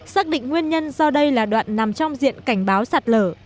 xác định nguyên nhân do đây là đoạn nằm trong diện cảnh báo sạt lở